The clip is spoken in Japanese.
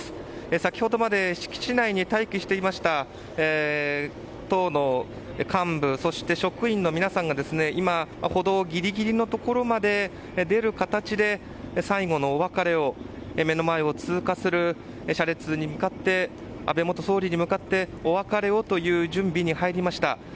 先ほどまで敷地内に待機していました党の幹部、そして職員の皆さんが今、歩道ギリギリのところまで出る形で最後のお別れを目の前を通過する車列に向かって安倍元総理に向かってお別れをという準備に入りました。